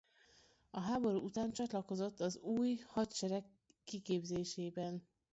A háború után csatlakozott az Új Hadsereg kiképzésében.